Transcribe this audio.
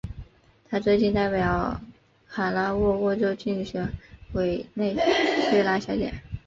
她最近代表卡拉沃沃州竞选委内瑞拉小姐。